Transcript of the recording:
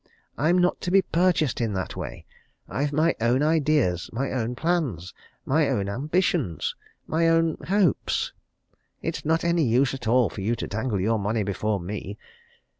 I'm not to be purchased in that way. I've my own ideas, my own plans, my own ambitions, my own hopes. It's not any use at all for you to dangle your money before me.